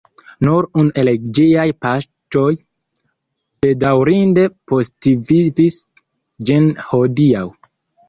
Nur unu el ĝiaj paĝoj bedaŭrinde postvivis ĝis hodiaŭ.